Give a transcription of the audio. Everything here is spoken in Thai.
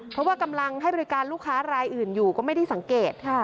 เพราะว่ากำลังให้บริการลูกค้ารายอื่นอยู่ก็ไม่ได้สังเกต